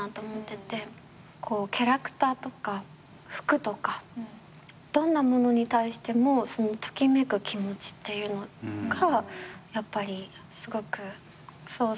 キャラクターとか服とかどんなものに対してもときめく気持ちっていうのがやっぱりすごく創作につながるなとは思ってて。